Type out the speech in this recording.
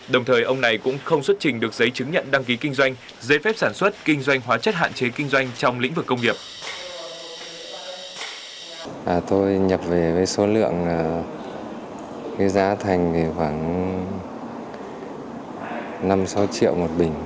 đồng thời ông này cũng không xuất trình được giấy chứng nhận đăng ký kinh doanh giấy phép sản xuất kinh doanh hóa chất hạn chế kinh doanh trong lĩnh vực công nghiệp